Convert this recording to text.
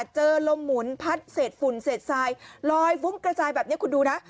เจอลมหมุนพัดเศษฝุ่นเศษทรายลอยฟุ้งกระจายแบบนี้คุณดูนะ